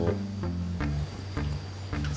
mas suha jahat